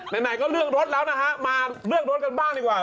ไหนก็เรื่องรถแล้วนะฮะมาเรื่องรถกันบ้างดีกว่า